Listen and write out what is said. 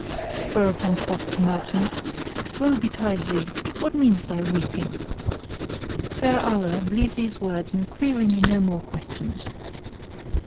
Whereupon quoth the merchant, "Woe betide thee! what means thy weeping? Fear Allah and leave these words and query me no more questions."